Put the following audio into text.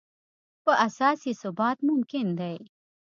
په اساس یې ثبات ممکن دی.